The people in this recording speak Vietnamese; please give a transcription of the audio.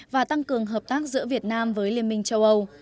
và tăng cường hợp tác giữa việt nam với liên minh châu âu